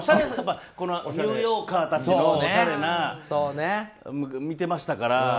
ニューヨーカーたちのおしゃれな見てましたから。